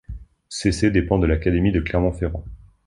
Cesset dépend de l'académie de Clermont-Ferrand.